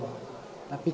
tapi kebijakan politik